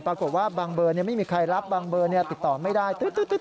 บางเบอร์ไม่มีใครรับบางเบอร์ติดต่อไม่ได้